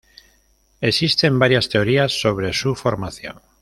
Existen varias teorías sobre su formación.